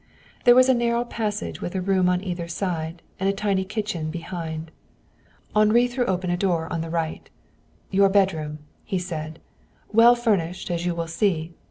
There was a narrow passage with a room on either side, and a tiny kitchen behind. Henri threw open a door on the right. "Your bedroom," he said. "Well furnished, as you will see.